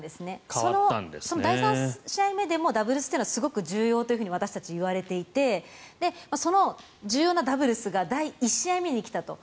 その第３試合目でもダブルスというのはすごく重要と私たちは言われていてその重要なダブルスが第１試合目に来たと。